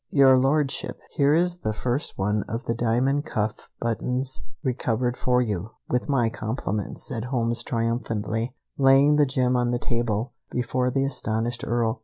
"Your Lordship, here is the first one of the diamond cuff buttons recovered for you, with my compliments," said Holmes triumphantly, laying the gem on the table before the astonished Earl.